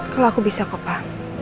kalau aku bisa kok pak